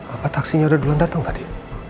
apa taksinya udah duluan datang tadi